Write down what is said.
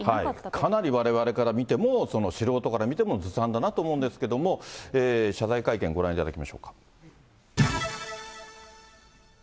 かなりわれわれから見ても、素人から見てもずさんだなと思うんですけれども、謝罪会見、ご覧いただきましょうか。